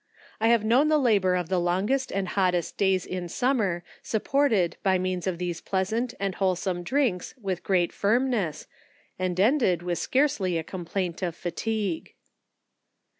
I have known the labour of the longest and hottest days in summer support ed by means of these pleasant and wholesome drinks with great firmness, and ended, with scarcely a complaint of fatigue.